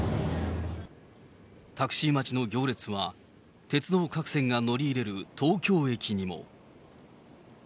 タクシー待ちの行列は、鉄道各線が乗り入れる東京駅にも。